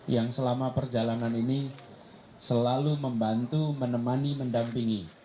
yang selama perjalanan ini selalu membantu menemani mendampingi